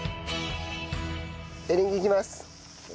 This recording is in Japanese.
エリンギいきます。